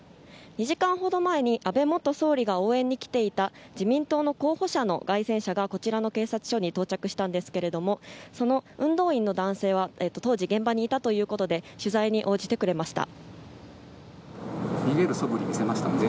２時間ほど前に安倍元総理が応援に来ていた自民党の候補者の街宣車がこちらの警察署に到着したんですけれどもその運動員の男性が当時、現場にいたということで取材に応じてくれました。